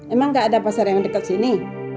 emang nggak ada pasar yang dekat sini